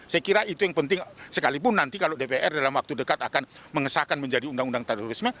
saya kira itu yang penting sekalipun nanti kalau dpr dalam waktu dekat akan mengesahkan menjadi undang undang terorisme